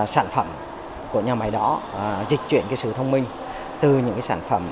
sản phẩm của nhà máy đó dịch chuyển sự thông minh từ những sản phẩm